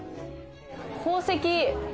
宝石！